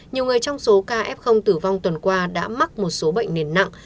nhiều người trong số ca f tử vong tuần qua đã mắc một số bệnh nền nặng